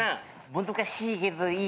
もどかしいけどいい。